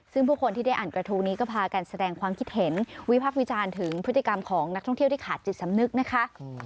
ซึ่งผู้คนที่ได้อ่านกระทู้นี้ก็พากันแสดงความคิดเห็นวิพักษ์วิจารณ์ถึงพฤติกรรมของนักท่องเที่ยวที่ขาดจิตสำนึกนะคะ